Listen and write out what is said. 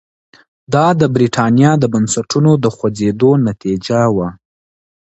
دا د برېټانیا د بنسټونو د خوځېدو نتیجه وه.